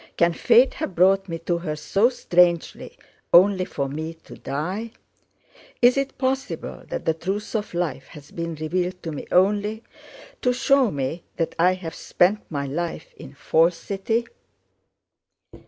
"Can fate have brought me to her so strangely only for me to die?... Is it possible that the truth of life has been revealed to me only to show me that I have spent my life in falsity?